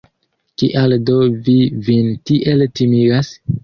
Kial do vi vin tiel timigas?